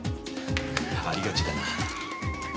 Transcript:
ありがちだな。